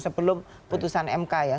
sebelum putusan mk ya